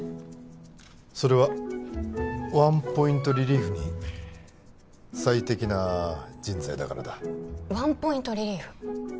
それはワンポイントリリーフに最適な人材だからだワンポイントリリーフ